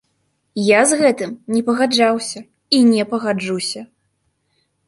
Я з гэтым не пагаджаўся і не пагаджуся.